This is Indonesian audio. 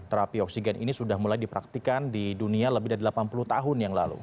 terapi oksigen ini sudah mulai dipraktikan di dunia lebih dari delapan puluh tahun yang lalu